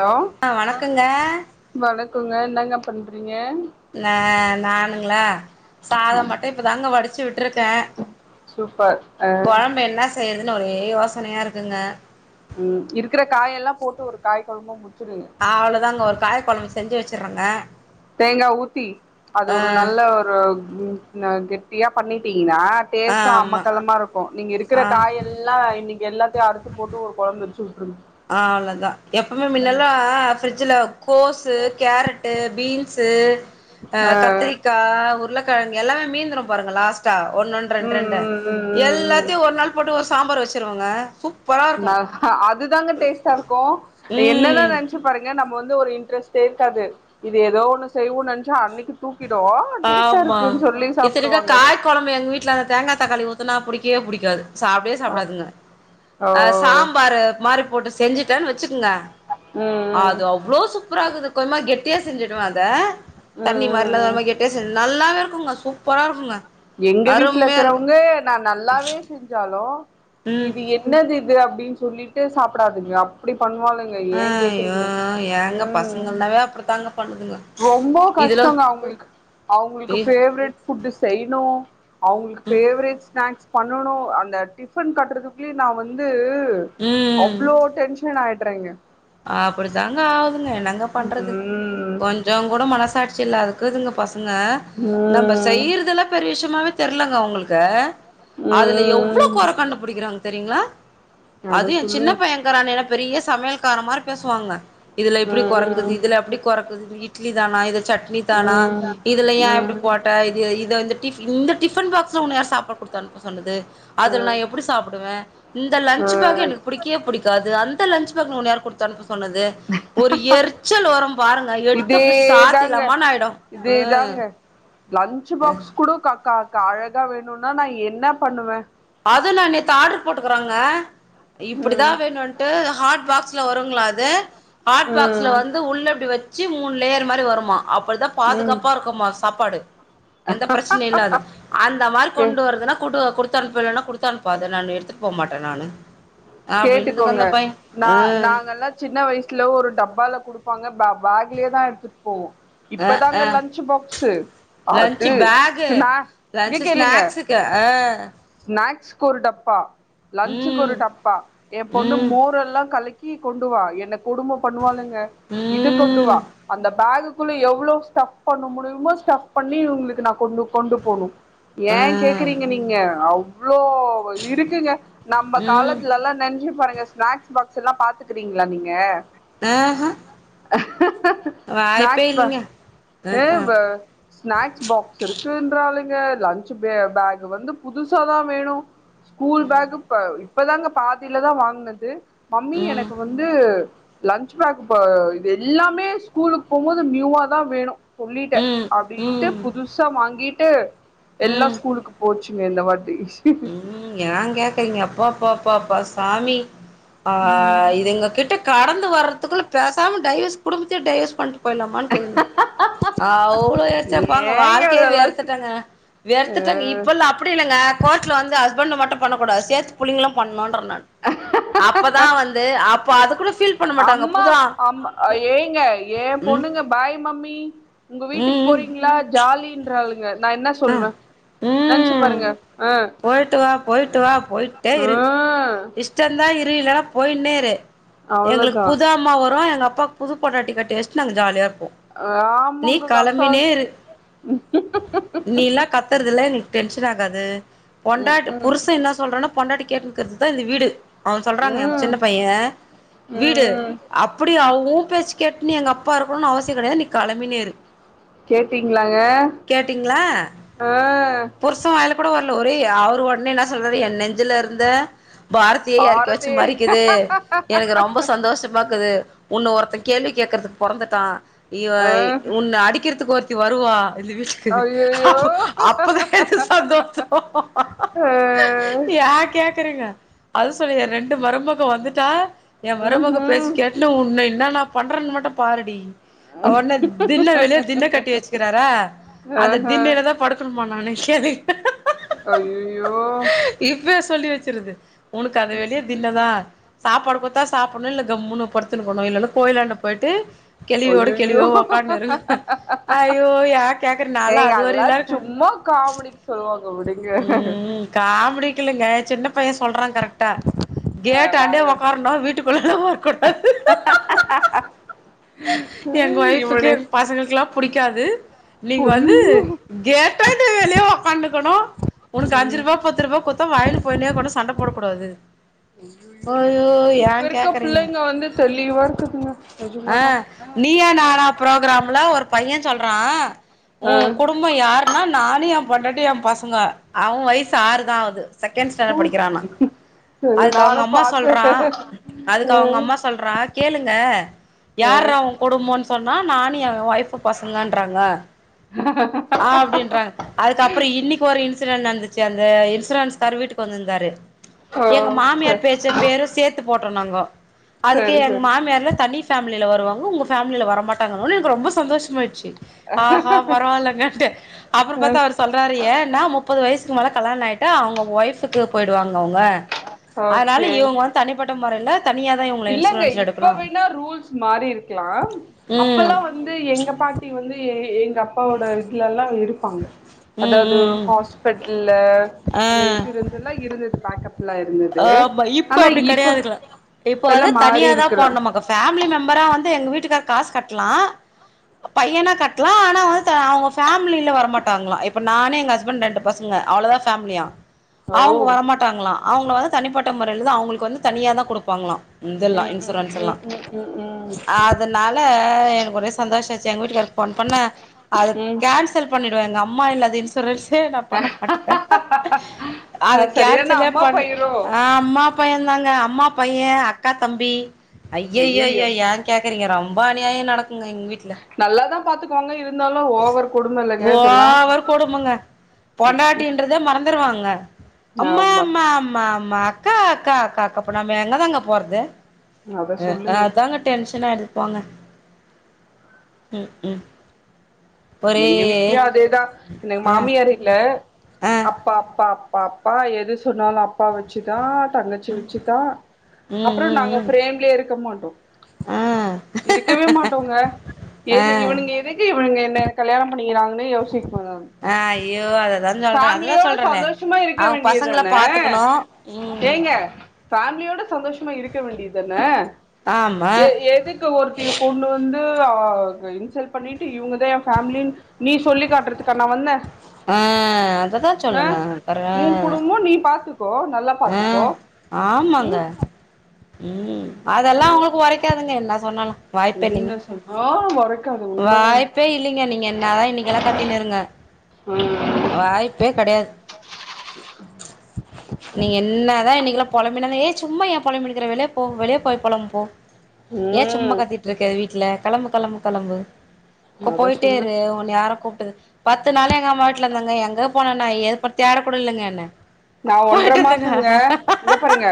Hello ஆ வணக்கங்க வணக்குங்க என்னங்க பண் நா நானுங்களா சாதம் மட்டும் இப்பதாங்க வடிச்சு விட்டுருக்கேன் சூப்பர் அ கொழம்பு என்ன செய்யுதுன்னு ஒரே யோசனையா இருக்குங்க ம் இருக்கிற காய எல்லாம் போட்டு ஒரு காய் குழம்ப முடி அவ்வளவுதான்ங்க ஒரு காய குழம்ப செஞ்சி வச்சு வச்சுறங்க தேங்காய் ஊத்தி அது ஒரு நல்ல ஒரு ந கெட்டியா பண்ணிட்டீங் ஆ டேஸ்டும் ஆமா அம்மக்களமா இருக்கும் நீங்க இருக்கிற ஆ காயெல்லாம் இன்னிக்கு எல்லாத்தையும் அறுத்து போட்டு ஒரு கொழம்பு வச்சு விட்டுருங்க ஆ அவ்ளவுதான் எப்பவுமே மின்னல்லாம் ப்ரிட்ஜ்ல்ல கோசு கேரட்டு பீன்ஸு, அ, ஆ கத்திரிக்காய் உருள ல கழங்கு எல்லாமே மீந்துரு பாருங்க லாஸ்ட்டா ஒன்ன ஒன்னு ரெண்டு ம் ரெண்டு ம் ம் ம் ம் எல்லாத்தையு ஒரு நாள் போட்டு ஒரு சாம்பார் வச் ருவங்க சூப் நா ஆ அது இதுதாங்க டேஸ்டா இருக்கு என்னன்ன ம் நினச்சு பாருங்க நம்மக் வந்து ஒரு இன்ட்ரெஸ்டே இருக்காது இது ஏதோ ஒன்னு செய்வோன்னு நினச்ச அன்னைக்கு சூப் ஆமா இத்தனைக்கு சாப்டுவாங்க காய்குழம்பு எங்க வீட்டுல அந்த தேங்கா தக்காளி ஊத்துனா புடிக் கவே பிடிக்காது சாப்பிடவே ஓ ம் சாப்பிடதுங்க ஆ சாம்பார் மாரி போட்டு செஞ்சுட்டேனு வச்சுக்கேங்க ம் ம் அது அவ்ளோ சூப்பர இக்குது கொஞ்சமாது கெட்டி யா செஞ்சுடுவ அத உம் தண்ணி மாரிலா உம் உம் கொஞ்சமா கெட்டியா நல்லாவே இருக்குங்க சூப்பர இருக்குங்க எங்க வீட்டுல அருமையா இருக்கு இருக்கிறவங்க நா நல்லாவே செஞ்சாலு ம் இது என்னது இது அப் படின்னு சொல்லிட்டு சாப்பிடாதுங்க அப்படி பண்ணுவனுங்க ஏன் ஐயோ கேக்குறீங்க உ ஏங்க பசங்கனாவே அப்டித்தாங்க பண்ணுதுங்க ரொம்ப இதுல கஷ்டங்க அவங்களுக்கு அவங்களுக்கு பேவரட் ஃபுட் செய் அவங்க பேவரட்ஸ் ஸ்நாக் க்ஸ் பண்ணனு அந்த டிஃபன் கட்டுறதுக்குல்லயே நா வந்து து அவ்ளோ டென்ஷன் ஆயிட் ட்றாங்க அப்டித்தாங்க ஆகுதுங்க என்னங்க பண்றது ம் கொஞ்சோ கூட மனசாட்சி இல்லாது க்துங்க பச ங்க நம்ம ம் செய்யுறதெல்லா பெரிய விஷயமாவே தெர்லங்க அவங்களுக்கு அதுல எவ்ளோ கொற ம் கண்டுபுடிக்கிறாங்க தெரியுங்ளா அத அதும் ஏ சின்ன சொல்லுங்க பையங் இருக்கிறானே என்ன பெரிய சமையல் கார மாரி பேசுவாங்க இதுல இப்புடி கொற இக்குது ம் இதுல அப்புடி கொற இக்குது இட்லிதான இது சட்னி தானா ம் இதுல ஏ இப்புடி ம் போட்ட இதோ இந்த டிஃப் இந்த டிஃபன் பாக்ஸ்ல உன்ன யார் சாப்பாடு குடுத்தனுப்ப சொன்னது அதுல நா ம் எப்படி சாப்பிடுவே இந்த ஆ லன்ச் பேக் எனக்கு புடிக்கவே புடிக்காது அந் த லன்ச் பேக்ல உன்ன யார் குடுத்தனுப்ப சொன்னது ஒரு எரிச்சல் வரும் பாருங்க எடுத்து அப்டே இதேதாங்க சாத்திட்லாமா ஆயிடு இதேதாங்க லன்ச் ம் பாக்ஸ் கூட க க அழகா வேணுனா நா என்ன பண்ணுவே அது நா நே து ஆட்ரு போட்டுக்கறங்க இப்டிதா ம் வேணுன்ட்டு ஹாட் பாக்ஸ் [unintelligible] வருங்ளா அது ஹாட் பாக்ஸ்ல ம் வந்து உள்ள இப்டி வ சு மூணு லேயர் மாரி வருமா அப்படதா ம் பாதுகாப்பா இருக்குமா சாப்பாடு எந்த பிரச்சனையு இல்லாது அந்த மாரி கே கொண்டு வருதுன்னா கொண்டு குடு த்து அனுப்பலன்னா குடுத்தனுப்பாத நா னு எடுத்துட்டு போ மாட்டே நானு அப்டின்னுதுங்க கேட்டுக்கோங்க அந்த பைய நா நாங்கலா சின்ன வயசுல ஒரு டப்பால குடு ப்பாங்க பா பேக்லேயே தா எடுத்துட் போவோ ஆ ஆ இப்பதாங்க ஆ லன்ச் பாசு லன்ச் அது பேகு ஸ்நாக் இங்க லன்ச் கேளுங்க ஸ்நாக்ஸுக்கு ஆ ஸ்நாக்ஸ் கு ஒரு டப்பா லன்சுக்கு ம் ஒரு டப்பா ஏ பொண்ணு ம் மோரெல்லா கலக்கி கொண்டு வா எனக்கு கொடும பண்ணுவாளுங்க இது கொண்டு ம் வா அந்த பேக்குக்கு குள்ள எவ்ளோ ஸ்டஃப் பண்ண முடியுமோ ஸ்டஃப் பண்ணி இவுங்களுக்கு நா கொண்டு கொண்டு போணு ஆ ஏன் கேக்குறீங்க நீங்க அவ் வ்ளோ இருக்குங்க நம்ம ம் காலத்துலலா பாருங்க ஸ்நாக்ஸ் பாக்ஸலா பாத்துக்கிறீங்ளா நீங்க ஆஹ [inaudible] ஸ்நாக்ஸ் பாக்ஸ் ஆ ஸ்நாக்ஸ் பாக்ஸ் இருக்குன்றா [unintelligible] லஞ்சு பே பேக் வந்து புதுசாதா வேணு ஸ்கூல் ம் பேஹூ ப இப்பதாங்க பா பாதிலதா வாங்னது மம்மி ம் எனக்கு வந்து லன்ச் பேக் ப இது எல்லாமே ஸ்கூலுக்கு போம்போது நியூவா தா வேணு சொல்லிட்டே ம் அப்டின்ட்டு ம் புதுசா வாங்கி ட்டு எல்லா ம் ஸ்கூலுக்கு போச்சு சுங்க இந்த வாட் ம் ஏன் கேக்குரீங்க அப்பா அப்பா பப்பப்ப சாமி ஆ இதுங்க கிட்ட கடந்து வர்றதுக்குள்ள பேச சாம டைவஸ் குடும்பத்தயே டைவர்ஸ் பண்ண [unintelligible] அவ்ளோ எச்ச போங்க ஏங்க வாழ்க்கையே இதெல்லா வெறுத்துட்டங்க வெறுத்துட்டாங்க ஆ இப்பல்லா அப்டி இல்லங்க கோர்ட்ல வந்து ஸ்பண்ட மட்டு பண்ண கூடா சேத்து புள்ளைங்களு பண்ணு [unintelligible] அப்தா வந்து அப்ப அது கூட ஃபீல் பண்ண மாட்டாங்க அம்மா புது அம் ஏங்க ஏன் ம் பொண்ணுங்க பாய் மம்மி மி உங்க வீட்டுக்கு ம் போறீங்ளா ஜாலின்றாளுங்க நா என்ன ஆ சொல்வ நெனச்சு ம் பாருங்க போயிட்டு வா போயிட்டு வா போயிட்டே ஆ இரு இஷ்டந்தா இரு ரு இல்லனா போயினே இரு எங்ளுக்கு அவ்ளோதா புது அம்மா வரு எங்க அப்பாக்கு புது பொண்டாட்டி கட்டி வச்சிட்டு நாங்க ஜாலியாருப்போ ஆமங்க [unintelligible] இரு [unintelligible] பொண்டாடி புர்ஷ என்ன சொல்றானோ பொண்டாட்டி கேட்டு இருக்கறதுதா இந்த வீடு அவன் சொல்றாங்க என் ம் சின்ன பையன் ம் வீடு ம் அப்படி அவு பேச்சு கேட்னு எங்க அப்பா இருக்கணுனு அவசிய கெடையாது நீ கெளமினேரு கேட்டீங்ளாங்க ஆ [unintelligible] ஒரே அவர் ஒட்னே என்ன சொல்றாரு என் நெஞ்சிலருந்த பாரத்தயே எறக்கி வச்ச பாரதி மாரிக்குது எனக்கு ரொம்ப சந்தோஷமா க்குது ஒன்ன ஒருத்த கேள்வி கே்கறதுக்கு பொறந்துட்டா இ ஆ உன்ன அடிக்கறதுக்கு ஒருத்த தி வருவா [unintelligible] ஐயையோ அப்ப அப்ப தா எனக்கு சந்தோ ஆ ஏன் கேக் க்றீங்க அது சொல்லி ரெண்டு மருமக வந்துட்டா என் மருமக பேசி ம்ஹூம் கேட்டு உன்ன என்னன்னா பண்றன் மட்டு பாருடி ஒன்னே திண்ண வெளிய திண்ண கட்டி வச்சுக்குறாரா அந்த ஆஹ திண்ணைல தா படுக்கணு [unintelligible] அய்யயோ இப்பவே சொல்லி வச்சிருது உனக்கு அ வெளிய [unintelligible] சாப்பாடு குடுத்தா சாப்புட்ணு இல்ல கம்ன்னு படுத்துருக்கணு இல்லனா கோயிலாண்ட போயிட்டு கெழவியோட அய்யயயோ கெழவியோ உக்காந்துனு இரு ஐயோ ஏ கேக்குற நாலா ஏங்க அது அதெல்லா வரையிலா இருக்காங்க சும்மா காமெடிக்கு சொல்லுவாங்க உடு ம் ம் காமெடிக்கில்லிங்க ஏ சின்ன பையன் சொல்றாங்க கரெக்டா ஆ கேட்டாண்டயே வாய ஒக்காரனு வீட்டுக்குள்ளலா வரக்கூடாது எங்க ம் வய்ஃபுக்கு இவனு பசங்களுக்லா பிடிக் க்காது நீங்க வந்து அய்யய்யோ கேட்டாண்ட வெளிய உக்காந்துக்கணு உனக்கு அஞ்சுரூவா ம் பத்து ரூவா குட்த்தா வாங்கினு போய்னே இருக்கணு சண்ட போட க்க கூடாது அய்யோ இப்ப ஏன் இருக்க கேக்குறீங்க பிள்ளைங்க வந்து தெளிவா இருக்குதுங்க ஆ நெஜமாதா நீயா நானா புரோக்ராம்ல ஒரு பையன் சொல்ற [unintelligible] ஓ ஆ குடும்போ யாருன்னா நானு ஏன் பொ ண்டாட்டி என் பசங்க அவ வயசு ஆறுதா ஆவுது செகண்ட் ஸ்டாண்டர்ட் ம் படிக்கிறானா சரி அதுக்கு அவங்க நானு அம்மா பாத்தே சொல்றா அதுக்கு ஆ அவங்க அம்மா சொல்றா கேளுங்க ஆ யார்ரா ஒன் கொடும்போ சொன்னா நானு ஏன் ஒய்ஃப் பசங்கன்றாங்க அப்டின்றாங்க அதுக்கப்ற இன்னைக்கு ஒரு இன்ஸ் ன்ட் நடந்துச்சு அந்த இன்சூரன்ஸ் கார் வீட்டுக்கு வந்துருந்தாரு ஓ எங்க மாமியார் சரி பேச்ச பேரு சேத்து போட்ருந்தாங்கோ அதுக்கு எங்க சரி மாமியார்ல தனி [unintelligible] மில வருவாங்க உங்க ஃபேமிலில வர மாட்டாங்கனோ எனக்கு ரொம்ப சந்தோஷமாய்டுச்சி ஆஹா பரவால்லங்கண்ட்ட அப்ற பாத்தா சரி அவர் சொல்றாரு ஏன்னா முப் மேல கல்யாண ஆயிட்டா அவங்க ஒய்ஃபுக்கு போயிடுவாங்க அவுங்க ஆ அதனால ஓகே இவங்க வந்து தனிப்பட்ட மொறைல இல்லங்க இப்ப வேணா ரூல்ஸ் மாறிருக்கலா ம் அப்பல்லா வந்து எங்க பாட்டி வந்து எங்க அப்பாவோட இதுலலா இருப்பாங்க ம் அதாது ம் ம் ஹாஸ்பெட்டில் அந்த ஆ இன்சூரன்ஸ் எல்லா இருந்தது பேக்கப் ஆமா இப்ப அப்டி கெடையாதுங்லா இப்பெல்லா போது மாறி தனியா தா இருக்கலா போணுமாக்கு பேமிலி மெம்பரா வந் எங்க வீட்டுக்கார் காசு கட்லா பையனா கட்லா ஆனா அவுங்கவத்த அவங்க பேமிலில வரமாட்டாங்களா இப்ப நானே எங்க ஹஸ்பண்ட் ரெண்டு பசங்க அவ்ளோதா பேமிலியா ஓ அவுங்க வரமாட்டாங்களா அவுங்ல வந்து தனிப்பட்ட முறையில தா அவுங்ளுக்கு வந்து தனியா தா குடுப்பாங்களா இந்துல்லா ம் ம் இன்சூரென்ஸ்லா ம் ம் ம் ம் அதனால எனக்கு ஒரே சந்தோஷ சேர் எங்க வீட்டுக்காருக்கு ஃபோன் பண்ணா அது ம் கேன்சல் பண்ணி எங்க அம்மா இல்லாத இன்சூரன்ஸ் தெ நா பண்ண பட்டுக அத ஆ சரியான கேன்சலே அம்மா பயிரோ ஆஹ் அம்மா பையேதாங் அம்மா பையே அக்கா தம்பி ஐயையோ அய்யய்யயோ ஏ கேக்றீங்க ரொம் அம்பானியாயு நடக் ங்க எங் வீட்ல பாத்துகுவாங்க இவு ஓவர் கொடுமங்க ம் ம் பொண்டாட்டின்றத மறந்துருவாங்க அம்மா ஆமா அம்மா அம்மா அம்மா அக்கா அக்கா அக்கக்கா அப்போ நம்ப எங்கதாங்க போறது அத அஹ் சொல்லுங்க அதாங்க டென்ஸ் என்னானு போங்க உம் உம் எங்க வீட்லயு அதேதா எனக்கு ஆ மாமியார் இல்ல ஆ அப்பா அப்பா அப்பா அப்பா எது சொன்னாலு அப்பா வெச்சுட்தா தங்கச்சி வச்சு தா ம் அப்ரோ ம் நாங்க ம் பிரேம்லே இருக்க மாட்டோ ஆ இருக்கவே மாட்டோங்க ஆ ஏது இவுனுங்க ஆ இதுக்கு இவுனுங்க கல்யணம் நீங்க நாகனு யோஷ்சிட்ருப்பாக ஐயோ அத ஃபேலியோட சந்தோஷமா இருக்க பசங்கள வேண்டியதானே பாத்துக்கணு ம் ஏங்க ஃபேமிலியோட சந்தோஷமா இருக்க வேண்டிதானே ஆமா ஏ எதுக்கு ஒருத்திய கொண்டு வந்து இன்சல்ட் பண்ணிட்டு இவுங்கதா ஏ ஃபேமிலின் நீ சொல்லி காட்றதுக்கா நா வந்தே ஆஹ் அததா ஆ சொல்லுங்க அப்பறோ உ குடும்போ நீ பாத்துக்கோ நல்லா பாத்துக்கோ ஆஹ் ஆமாங்க ம் உம் அதெல்லா அவுங்ளுக்கு ஒறைக்காதுங்க என்ன சொன்னாலு வாய்ப்பே இல்லிங்க என்ன சொன்னாலு ஒரைக்காது உண்மதாங்க வாய்ப்பே இல்லைங்க நீங்க என்னாதான் இன்னிக்கெல்லாம் கத்தனி இருங்க ம் வாய்ப்பே கடையாது நீங்க என்ன தான் இன்னைக்கெல்லாம் பொலம்பினதே சும்மா ஏ பொலம்படிய இருற வெளிய போ வெளிய போய் போலாம் போ ஏன் சும்மா ம் கத்திட்டு இருக்க வீ ட்ல களம்பு களம்பு களம்பு அத போயிட்டே சொல்லு இரு உன்ன யார பத்து நாாளும் எங்க அம்மா வீட்டுல இருந்தாங்க எங்க போனனா ஏது ப தேட கூடல்லைங்க என்ன நான் ஒன்றரை போயிட்டு வந்தங்க மாசங்க இங்க பாருங்க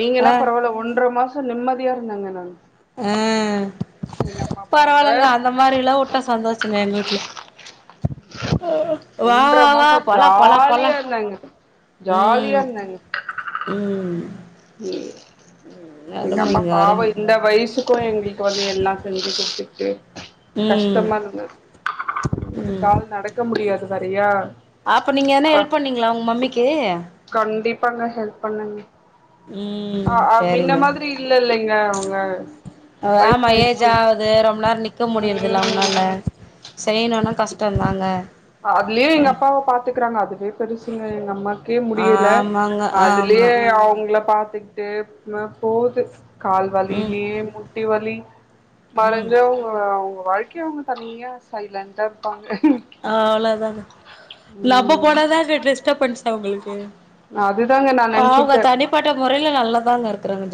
நீங்க ஆ என்ன பரவால ஒன்ற ஒரு மாசம் நிம்மதியா இருந்தங்க நான் உம் அப்பாவோட பரவாயில்லங்க அந்த மாரிலாம் வுட்டா சந்தோஷம்தா எங்க வீட்டுல ஒன்ற வா வா மாசம் போலா போலா போலா ஜாலியா இருந்தாங்க ம் ஜாலியா இருந்தாங்க ம் இ எங்க அம்மா அருமைங்க அரும பாவம் இந்த வயசுக்கும் எங்களுக்கு வந்து எல்லாம் செஞ்சு கொடுத்து ச ம் கஷ்டமா இருந்தது ம் கால் நடக்க முடியாது வரியா அப்ப நீங்க என்ன ஹெல்ப் பண்ணீங்களா உங்க மம்மிக்கு பண்ணங்க ம் சரி மின்ன மாதிரி இல்ல இல்லைங்க [unintelligible] வே மயேஜ் வயசாயிடுச்சு ஆகுது ரொம்ப நேரம் நிக்க முடியறதுல அவுங்களால ம் செய்யணும்னா கஷ்டம் தாங்க அ இருக்கறாங்க அதுவே பெருசுங்க எங்க அம்மாக்கு துக்கே முடியல ஆமாங்க ஆமா அதுலயே அவுங்கள பாத்த ட்டு ந போது கால் ம் வலிலியே முட்டி வலி ம் மறந்து அவுங் அவுங்க வாழ்க்கை அவுங்க தனியா சைலன்ட்டா இருப்பாங்க. அவ்ளோதாங்க நம்ம ம் போனாதாங்க டிஸ்டபன்ஸ் அவங்ளுக்கு அதுதாங்க நா அவங்க நெனச்சுக்கிட்டே தனிப்பட்ட முறைல நல்லா தாங்க இருக்றாங்க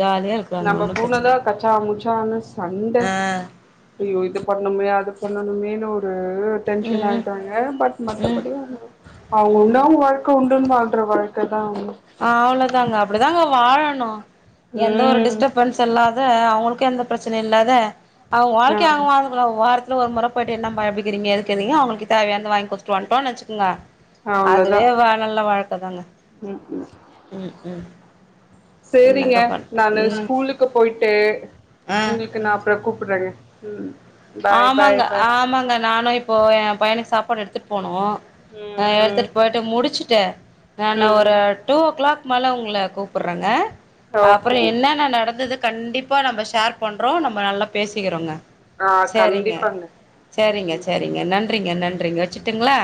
நம்ப பூனதா கச்சா முச்சானு சண்ட ஆ அய்யோ இது பண்ண முயா அது பண்ணணுமேனு ஒரு ஹு டென்ஷன் ம் ஆயிட்ராங்க பட் ம் மத்தபடி அவங்க அவங்க உண்டு அவங்க வாழ்க்க உண்டுன் வாழ்ற வாழ்க்க தா ஆ அவ்ளோதாங்க அப்டிதாங்க வாழ னு எந்த ஒரு ம் டிஸ்டர்பன்ஸ் இல்லாத அவங்களுக்கு எந்த பிரச்சன இல்லாத அவங்க ஆ வாழ்க்கைய அவங்க வாழ்ந்து [unintelligible] வார் ல ஒரு முற போய்ட்டு என்னப்பா எப்டி க்கிறீங்க எதுக்கு தேவையானத வாங்கி குடுத்துட் வன்ட்டோனு வச்சுக்கிங்க அவ்ளோதா அதுவே வேற [unintelligible] வாழ்க்க தாங்க ம் ம் ம் ம் சேரிங்க என்னங்க பண் நானு ம் ஸ்கூலுக்கு போயிட்டு ஆ ஒங்ளுக்கு நா அப்றொ கூப்ட்றேங்க ம் பாய் பாய் ஆமாங்க பாய் ஆமாங்க நானு இப்போ ஏ பையனுக்கு சாப்பாடு எடுத்துட் போனோ நா ம் ம் எடுத்துட் போய்ட்டு முடிச்சுட்டே நானு ம் ஒரு டூ ஓ கிளாக் மேல உங்ள கூப்ட்றேங்க அப்றொ ஓகேங்க என்ன னா நடந்துது கண்டிப்பா நம்ம ஷேர் பண்றோ நம்ம நல்லா பேசிக்கிறோங்க ஆ சேரிங்க கண்டிப்பாங்க சே ம் ரிங்க சேரிங்க நன்றி நன்றிங்க நன்றிங்க வச்சுட்டுங்ளா